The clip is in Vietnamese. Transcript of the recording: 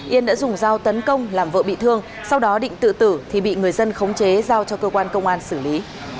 yên đã dùng dao tấn công làm vợ bị thương sau đó định tự tử thì bị người dân khống chế giao cho cơ quan công an xử lý